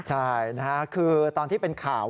ใช่นะฮะคือตอนที่เป็นข่าว